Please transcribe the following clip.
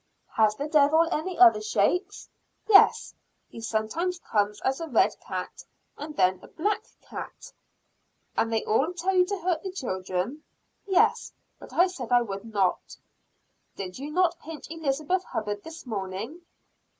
"Has the Devil any other shapes?" "Yes, he sometimes comes as a red cat, and then a black cat." "And they all tell you to hurt the children?" "Yes, but I said I would not." "Did you not pinch Elizabeth Hubbard this morning?"